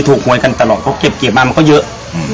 หวยกันตลอดเพราะเก็บมามันก็เยอะ